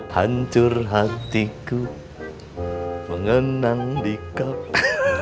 hancur hatiku mengenang di kapal